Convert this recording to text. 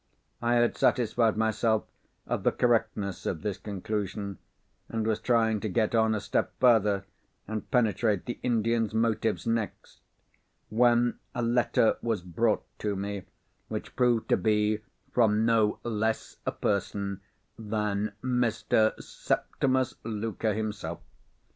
I had satisfied myself of the correctness of this conclusion—and was trying to get on a step further, and penetrate the Indian's motives next—when a letter was brought to me, which proved to be from no less a person that Mr. Septimus Luker himself.